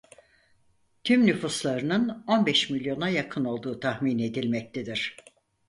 Tüm nüfuslarının on beş milyona yakın olduğu tahmin edilmektedir.